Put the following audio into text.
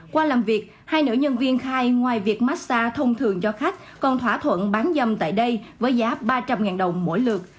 qua làm việc hai nữ nhân viên khai ngoài việc massag thông thường cho khách còn thỏa thuận bán dâm tại đây với giá ba trăm linh đồng mỗi lượt